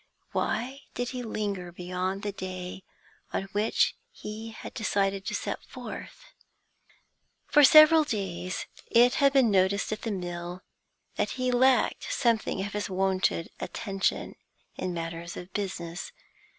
Why did he linger beyond the day on which he had decided to set forth? For several days it had been noticed at the mill that he lacked something of his wonted attention in matters of business.